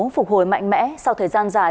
phục hồi mạnh mẽ sau thời gian dài